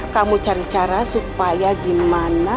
kamu cari cara supaya gimana